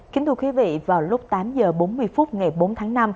kính thưa quý vị vào lúc tám h bốn mươi phút ngày bốn tháng năm